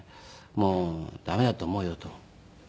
「もう駄目だと思うよ」と。